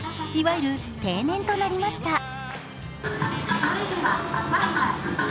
いわゆる定年となりました。